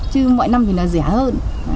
chứ mọi năm thì nó rẻ hơn